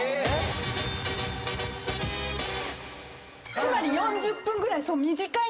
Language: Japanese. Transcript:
つまり４０分ぐらい短い。